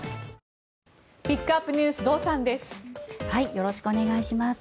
よろしくお願いします。